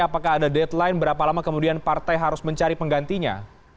apakah ada deadline berapa lama kemudian partai harus mencari penggantinya